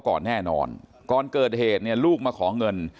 แล้วหลังจากนั้นเราขับหนีเอามามันก็ไล่ตามมาอยู่ตรงนั้น